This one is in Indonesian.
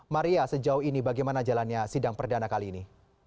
maria sejauh ini bagaimana jalannya sidang perdana kali ini